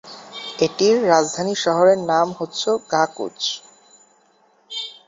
এটির রাজধানী শহরের নাম হচ্ছে গাহকুচ।